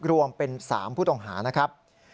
รวมเป็น๓ผู้ต้องหานะครับ